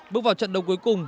bước vào trận đấu cuối cùng